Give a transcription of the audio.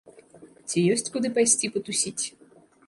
Ці ёсць куды пайсці патусіць?